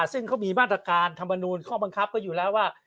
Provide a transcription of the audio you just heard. ซึ่งเขามีมาตรการธรรมนูลข้อบังคับก็อยู่แล้วว่า